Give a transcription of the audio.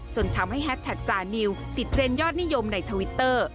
จนทำให้แฮสแท็กจานิวติดเทรนด์ยอดนิยมในทวิตเตอร์